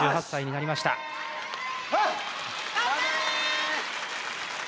４８歳になりましたはっ！